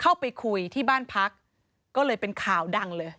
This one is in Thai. เข้าไปคุยที่บ้านพักก็เลยเป็นข่าวดังเลย